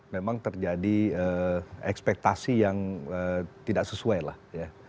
memang terjadi ekspektasi yang tidak sesuai